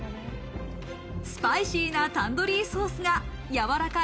スパイシーなタンドリーソースがやわらかい